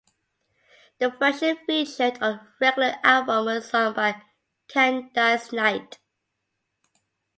The version featured on a regular album was sung by Candice Night.